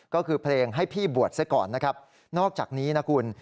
ก็คือเพลงให้พี่บวชซะก่อนนะครับนอกจากนี้นะคุณ